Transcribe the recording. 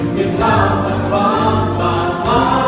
จะกล้าบันความต่าง